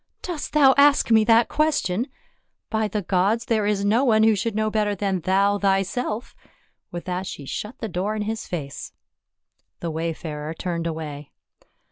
" Dost thou ask me that question ? By the gods, there is no one who should know better than thou thyself." With that she shut the door in his face. The wayfarer turned away.